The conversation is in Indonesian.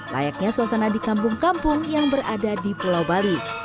layaknya suasana di kampung kampung yang berada di pulau bali